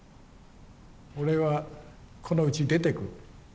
俺はこのうち出てく。